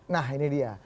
nah ini dia